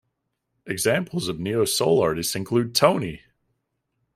Examples of neo soul artists include Tony!